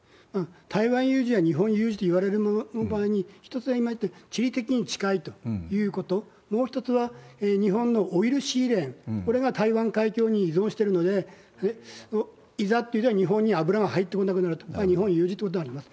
台湾有事や日本有事といわれる場合に、一つは、今言ったように、地理的に近いということ、もう一つは日本のオイルシーレーン、これが台湾海峡に依存してるので、いざっていうときには日本に油が入ってこなくなると、日本有事でもあります。